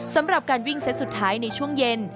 สำหรับการวิ่งเซตสุดท้ายในช่วงเย็น